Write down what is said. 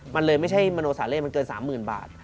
มันเลยไม่ใช่มโนสาเล่มันเกิน๓๐๐๐บาท